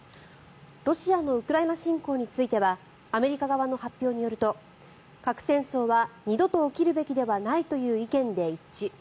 ロシアのウクライナ侵攻についてはアメリカ側の発表によると核戦争は二度と起きるべきではないという意見で一致。